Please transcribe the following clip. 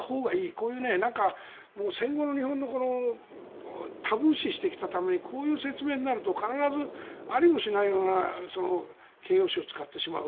こういう戦後の日本はタブー視してきたためにこういう説明になると必ず、ありもしないような形容詞を使ってしまう。